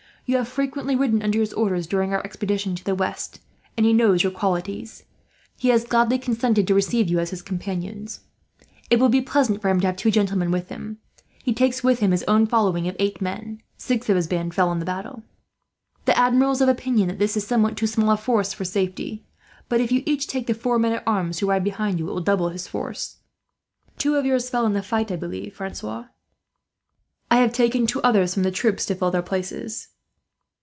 You have frequently ridden under his orders, during our expedition to the west, and he knows your qualities. "He has gladly consented to receive you as his companions. It will be pleasant for him to have two gentlemen with him. He takes with him his own following, of eight men; six of his band fell in the battle. The Admiral is of opinion that this is somewhat too small a force for safety; but if you each take the four men at arms who ride behind you, it will double his force. Two of yours fell in the fight, I believe, Francois." "I have taken two others from the troop to fill their places."